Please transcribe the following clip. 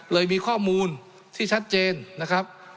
เลยมีข้อมูลที่ชัดเจนนะครับ